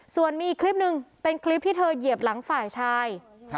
ส่วนมีอีกคลิปหนึ่งเป็นคลิปที่เธอเหยียบหลังฝ่ายชาย